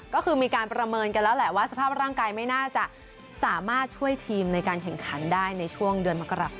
ก็คือมีการประเมินกันแล้วแหละว่าสภาพร่างกายไม่น่าจะสามารถช่วยทีมในการแข่งขันได้ในช่วงเดือนมกราคม